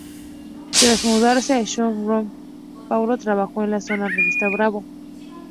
Tras mudarse a São Paulo, trabajó en la revista "Bravo!